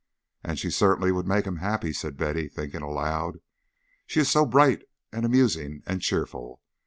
"And she certainly would make him happy," said Betty, thinking aloud. "She is so bright and amusing and cheerful.